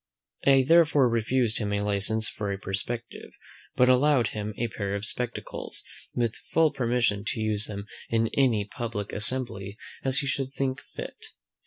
I therefore refused him a license for a perspective, but allowed him a pair of spectacles, with full permission to use them in any public assembly as he should think fit.